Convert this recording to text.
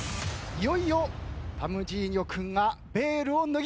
いよいよタムジーニョ君がベールを脱ぎます。